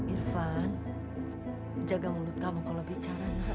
irfan jaga mulut kamu kalo bicara nart